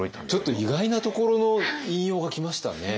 意外なところの引用が来ましたね。